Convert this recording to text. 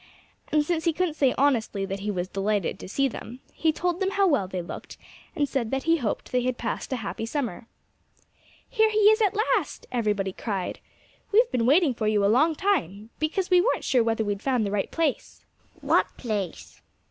And since he couldn't say honestly that he was delighted to see them, he told them how well they looked and said that he hoped they had passed a happy summer. "Here he is at last!" everybody cried. "We've been waiting for you for a long time, because we weren't sure whether we'd found the right place." "What place?"